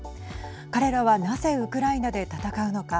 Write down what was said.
彼らはなぜウクライナで戦うのか。